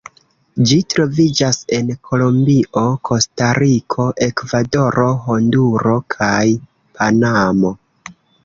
Ĝi troviĝas en Kolombio, Kostariko, Ekvadoro, Honduro, kaj Panamo.